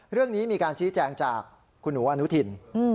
เรื่องนี้มีการชี้แจงจากคุณหนูอนุทิน